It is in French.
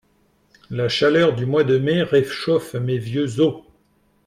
La chaleur du mois de Mai réchauffe mes vieux os